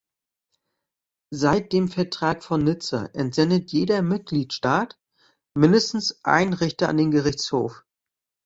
Seit dem Vertrag von Nizza entsendet jeder Mitgliedstaat mindestens einen Richter an den Gerichtshof.